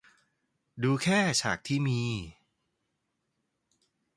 ดูแค่ฉากที่มี